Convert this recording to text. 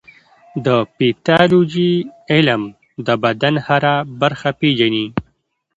د پیتالوژي علم د بدن هره برخه پېژني.